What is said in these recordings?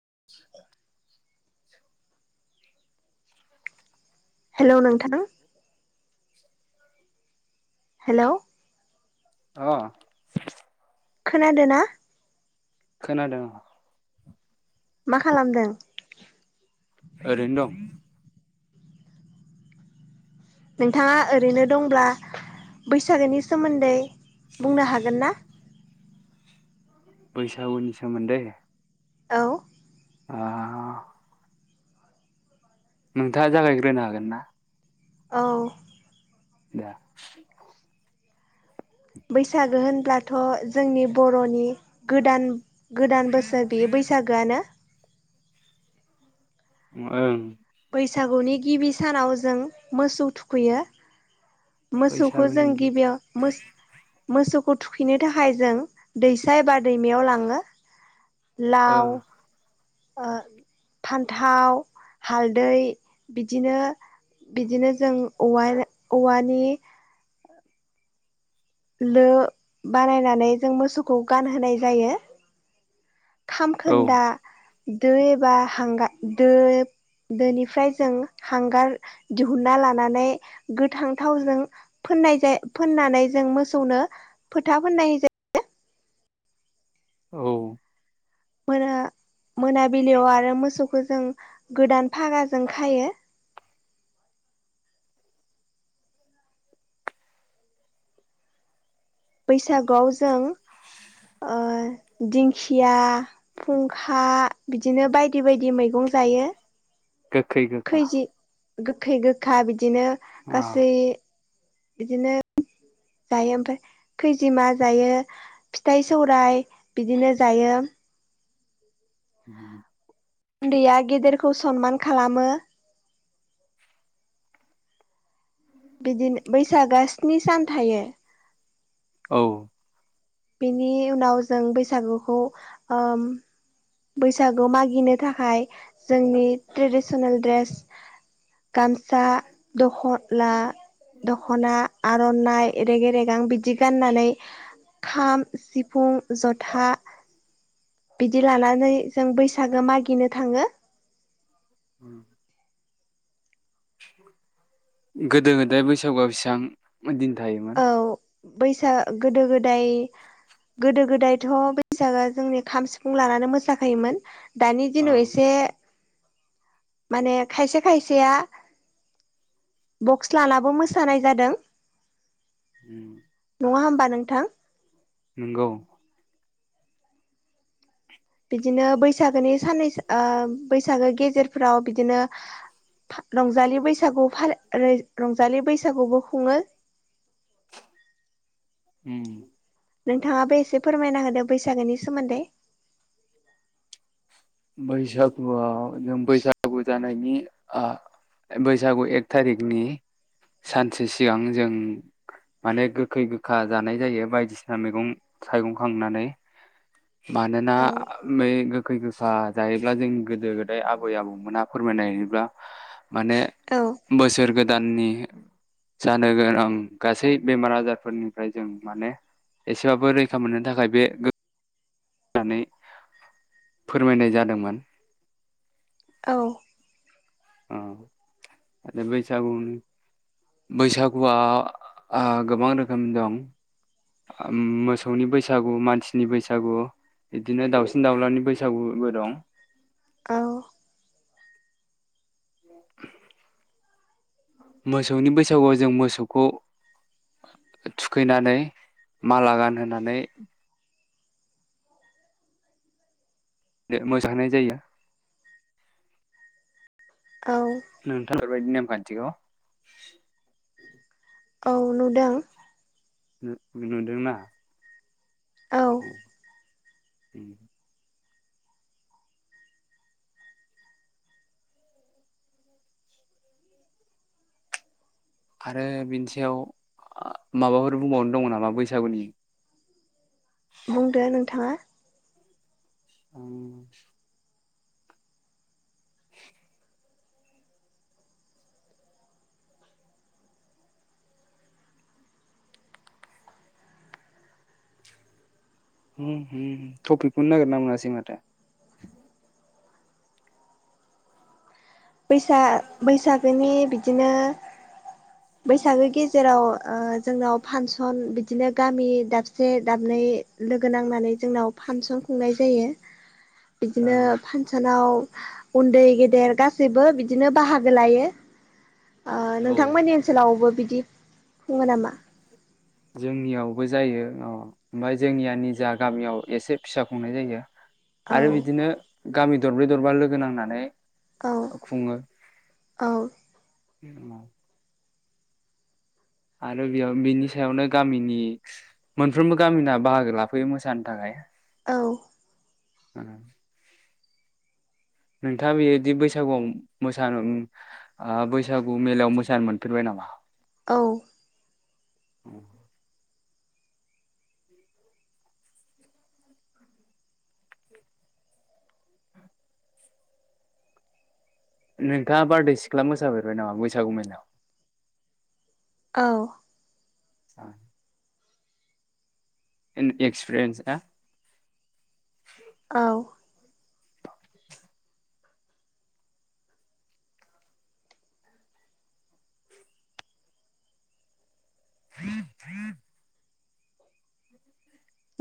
[inaudible] Hello नोंथां hello अह‌ खोनादों ना खोनादों ओं मा खालामदों ओरैनो दं नोंथाङा ओरैनो दंब्ला बैसागोनि सोमोन्दै बुंनो हागोन ना? बैसागुनि सोमोन्दै? औ। आह नोंथाङा जागायग्रोनो हागोन ना? औ। दे। बैसागो होनब्लाथ' जोंनि बर'नि गोदान गोदान बोसोर बेयो बैसागोआनो। ओं। बैसागुनि गिबि सानाव जों मोसौ थुखैयो। मोसौखौ जों बैसागुनि गिबियाव मो-मोसौ खौ थुखैनो थाखाय जों दैसा एबा दैमायाव लाङो। ओ लाव ओ फान्थाव हालदै बिदिनो बिदिनो जों औवा औवानि लो बानायनानै जों मोसौखौ गानहोनाय जायो। औ खामखोन्दा दो एबा हांगार दो दोनिफ्राय जों हांगार दिहुनना लानानै गोथां थावजों फोन्नाय जाय फोननानै जों मोसौनो फोथा फोननाय जायो। औ। मोना मोनाबिलियाव आरो मोसौखौ जों गोदान फागाजों खायो। [inaudible] बैसागुआव जों ओह दिंखिया, फुंखा बिदिनो बायदि बायदि मैगं जायो। गोखै गोखा। खैजि गोखै गोखा बिदिनो अ गासै बिदिनो जायो। ओमफाय खैजिमा जायो, फिथाइ सौराइ बिदिनो जायो। उन्दैया गेदेरखौ सनमान खालामो बिदिनो बैसागोआ स्नि सान थायो। औ। बेनि उनाव जों बैसागुखौ ओम बैसागु मागिनो थाखाय जोंनि ट्रेडिसनेल ड्रेस गामसा दखला दख'ना आ र'नाइ, रेगे रेगां बिदि गाननानै खाम, सिफुं, जथा, बिदि लानानै जों बैसागो मागिनो थाङो। गोदो गोदाय बैसागुआव बेसेबां दिन थायोमोन? बैसाग गोदो गोदाय गोदो गोदायथ' बैसागआ जोंनि खाम, सिफुं लानानै मोसाखायोमोन। दानि अ दिनाव एसे माने खायसे खायसेया बक्स लानाबो मोसानाय जादों। उम। नङा होमबा नोंथां? नोंगौ। बिदिनो बैसागोनि साननैसो ओ बैसागो गेजेरफ्राव बिदिनो फा रंजालि बैसागु फाल रंजालि बैसागुबो खुंङो। [unintelligible] उम नोंथाङाबो एसे फोरमायना होदो बैसागोनि सोमोन्दै बैसागुआव जों बैसागु जानायनि ओ बैसागु एक थारिकनि सानसे सिगां जों माने गोखै गोखा जानाय जायो बायदिसिना मैगं थाइगं खांनानै मानोना औ बै गोखै गो खा जायोब्ला जोंनि गोदो गोदाय आबै आबौमोनहा फोरमायनाय बायदिब्ला माने औ बोसोर गोदाननि जानो गोनां गासै बेमार आजारफोरनिफ्राय जों माने एसेबाबो रैखा मोननो थाखाय बे होननानै फोरमायनाय जादोंमोन। औ अ बैसागुनि बैसागुआ ओ गोबां रोखोमनि दं। ओम मोसौनि बैसागु मानसिनि बैसागु बिदिनो दाउसिन दाउलानि बैसागुबो दं। औ [unintelligible] मोसौनि बैसागुआव जों मोसौखौ थुखैनानै माला गानहोनानै मोसानाय जायो। औ नोंथां [inaudible] बेफोरबायदि नेमखान्थिखौ औ नुदों। नुदोंना औ [unintelligible] आरो बिनि सायाव माबाफोर बुंबावनो दङ नामा बैसागुनि। बुंदो नोंथाङा। ओ। [inaudible] थपिगखौनो नागिना मोनासै माथो। बैसा बैसागोनि बिदिनो। बैसागो गेजेराव ओ जोंनाव फांसन बिदिनो गामि दाबसे। से दाबै लोगो नांनानै जोंनाव फांसन खुंनाय जायो। बिदिनो फांसनाव उन्दै गेदेर गासैबो। गासैबो बिदिनो बाहागो लायो। ओ औ नोंथांमोननि ओनसोलावबो बिदि खुङो नामा। जोंनियावबो जायो अ ओमफ्राय जोंनिया निजा गामियाव एसे फिसा खुंनाय जायो। औ आरो बिदिनो गामि दरब्रै दरबा लोगो नांनानै औ खुङो। औ। [unintelligible] आरो बेयाव बिनि सायावनो गामिनि मोनफ्रोमबो गामिना बाहागो लाफैयो मोसानो थाखाय। औ। ओम। नोंथाङा बेदि बैसागुआव मोसानो ओ बैसागु मेलायाव मोसानो मोनफेरबाय नामा। औ। ओम। नोंथाङा बारदै सिख्ला मोसाफेरबाय नामा बैसागु मेलायाव। औ। [inaudible] एन एक्सप्रेन्सआ औ। [inaudible]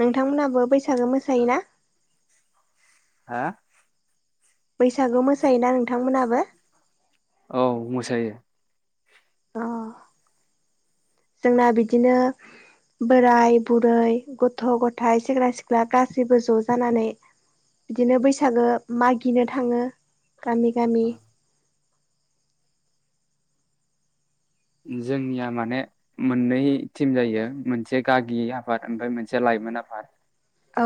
नोंथांमोनहाबो बैसागो मोसायोना? हा? बैसागु मोसायोना नोंथांमोनहाबो? औ मोसायो। अ जोंना बिदिनो। बोराय बुरै गथ' गथायाइ सेंग्रा सिख्ला गासैबो ज' जानानै। बिदिनो बैसागो मागिनो थाङो गामि गामि। जोंनिया माने मोननै टिम जायो मोनसे गागि आफाद ओमफाय मोनसेया लाइ मोन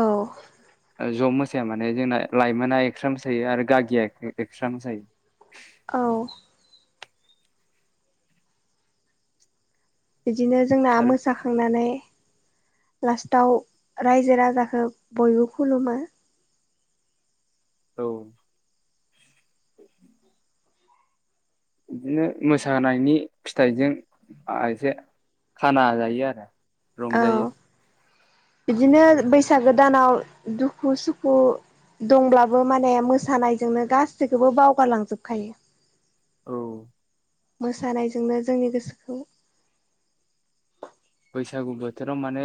औ ज मोस सिया माने जोंना लाइमोना एक्स्रा मोसायो आरो गागिया एक्स्रा मोसायो। औ बिदिनो जोंना आरो मोसाखांनानै। लास्टाव रायजो राजाखौ बयबो खुलुमो। औ। [inaudible] बिदिनो मोसानायनि फिथाइजों ओ एसे खाना जायो आरो औ रंजायो। बिदिनो बैसागो दानाव दुखु सुखु दंब्लाबो माने मोसानायजोंनो गासैखौबो बावगारलांजोबखायो। औ। मोसानायजोंनो जोंनि गोसोखौ बैसागु बोथोराव माने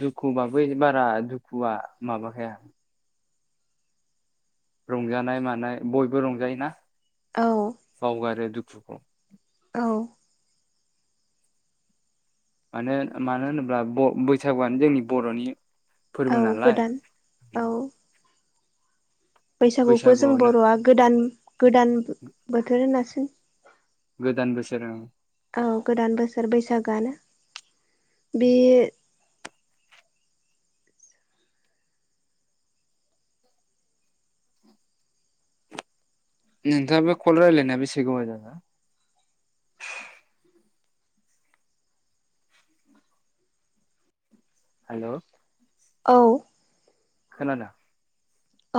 दुखुबाबो बारा दुखुआ माबाखाया। रंजानाय मानाय बयबो रंजायोना औ बावगारो दुखु [unintelligible] औ मानो मानो होनोब्ला ब बैसागुआनो जोंनि बर'नि औ फोरबो नालाय। गोदान औ बैसागुखौ जों बैसागुआवनो बर'आ गोदान गोदान बोथोर होनासो गोदान बोसोराव औ गोदान बोसोर बैसागानो बे नोंथाङा बे कल रायलायनाया बेसे गोबाव जाखो हेलौ औ खोनादों।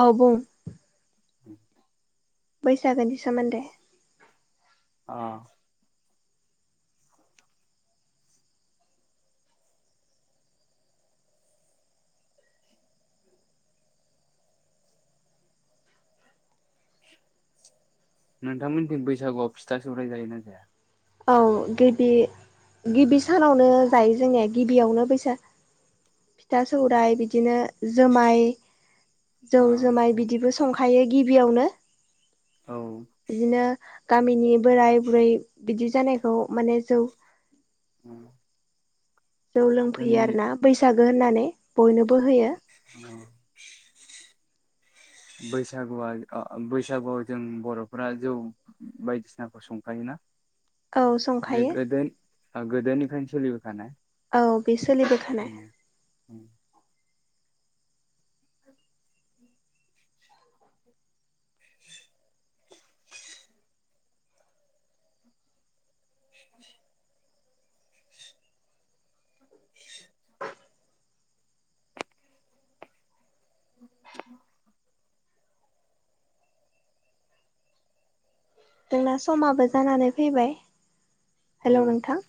औ बुं। [inaudible] बैसागोनि सोमोनदै अ नोंथांमोननिथिं बैसागुआव फिथा सौराइ जायोना जाया? औ गिबि गिबि सानावनो जायो जोंनिया गिबियावनो बैसा [inaudible] फिथा सौरायाइ बिदिनो जोमाय जौ जुमाय बिदिबो सं थायो गिबियावनो अ बिदिनो गामिनि बोराय बुरै बिदि जानायखौ माने जौ [inaudible] जौ लोंफैयो जोंनि आरोना बैसागो होननानै बयनोबो होयो [unintelligible] [inaudible] बैसागुआ ओ बैसागुआव जों बर'फोरा जौ बायदिसिनाखौ संखायोना औ संखायो गोदोनिफ्राय सोलिबोखानाय औ बे सोलिबोखानाय औ [inaudible] नोंना समाबो जानानै फैबाय हेलौ नोंथां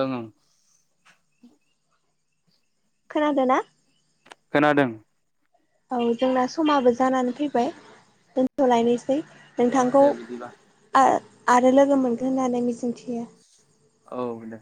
ओं ओं खोनादोना खोनादों औ जोंना समाबो जानानै फैबाय दोनथ'लायनो अ नोंथांखौ दे बिदिबा आ आरो लोगो मोनगोन होननानै मिजिंथियो औ दे